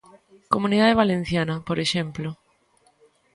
Comunidade Valenciana, por exemplo.